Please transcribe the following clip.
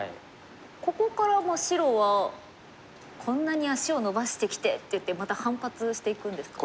ここからもう白は「こんなに足をのばしてきて！」って言ってまた反発していくんですか？